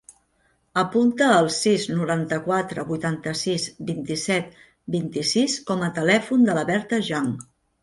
Apunta el sis, noranta-quatre, vuitanta-sis, vint-i-set, vint-i-sis com a telèfon de la Berta Jiang.